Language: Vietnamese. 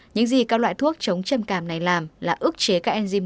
những gì các loại thuốc chống châm cảm này làm là ước chế các enzyme